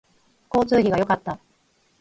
交通費が良かった